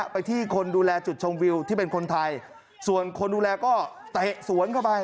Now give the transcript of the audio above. ไปที่คนดูแลจุดชมวิวที่เป็นคนไทยส่วนคนดูแลก็เตะสวนเข้าไป